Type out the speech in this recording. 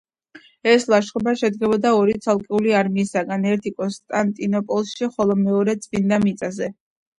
ეს ლაშქრობა შედგებოდა ორი ცალკეული არმიისგან: ერთი კონსტანტინოპოლში, ხოლო მეორე წმინდა მიწაზე.